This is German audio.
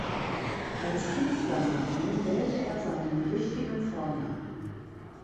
Als Künstlernamen wählte er seinen richtigen Vornamen.